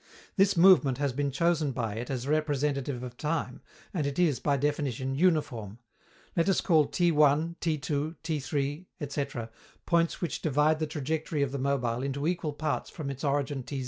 This movement has been chosen by it as representative of time, and it is, by definition, uniform. Let us call T_, T_, T_, ... etc., points which divide the trajectory of the mobile into equal parts from its origin T_0.